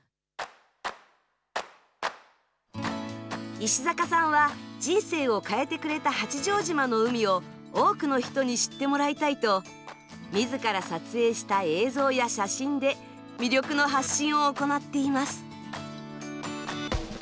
石坂さんは、人生を変えてくれた八丈島の海を、多くの人に知ってもらいたいと、みずから撮影した映像や写真で、魅力の発信を行っています。